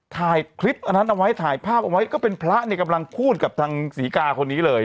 ถ่ายคลิปอันนั้นเอาไว้ถ่ายภาพเอาไว้ก็เป็นพระเนี่ยกำลังพูดกับทางศรีกาคนนี้เลย